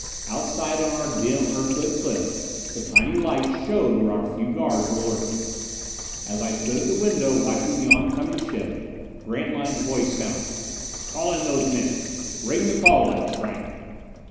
Outside on our dim, Earthlit cliff, the tiny lights showed where our few guards were lurking. As I stood at the window watching the oncoming ship, Grantline's voice sounded: "Call in those men! Ring the call lights, Franck!"